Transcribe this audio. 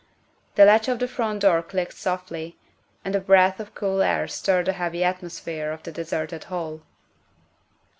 The latch of the front door clicked softly, and a breath of cool air stirred the heavy atmosphere of the deserted hall.